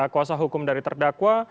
kuasa hukum dari terdakwa